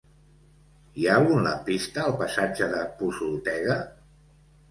Hi ha algun lampista al passatge de Posoltega?